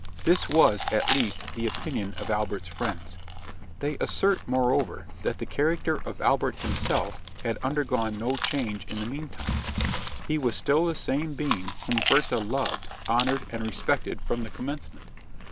This was, at least, the opinion of Albert's friends. They assert, moreover, that the character of Albert himself had undergone no change in the meantime: he was still the same being whom Werther had loved, honoured, and respected from the commencement.